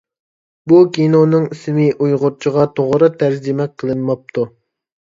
بۇ كىنونىڭ ئىسمى ئۇيغۇرچىغا توغرا تەرجىمە قىلىنماپتۇ.